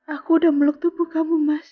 aku udah meluk tubuh kamu mas